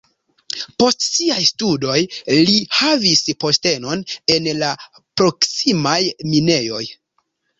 Post siaj studoj li havis postenon en la proksimaj minejoj.